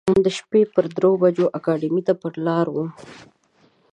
د شپې پر درو بجو اکاډمۍ ته پر لار و.